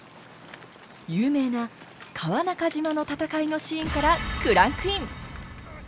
有名な川中島の戦いのシーンからクランクイン！